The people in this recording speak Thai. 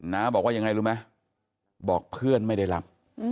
น้าบอกว่ายังไงรู้ไหมบอกเพื่อนไม่ได้รับ